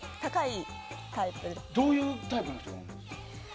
どういうタイプなんですか？